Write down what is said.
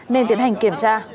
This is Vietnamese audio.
nên tiến hành kiểm tra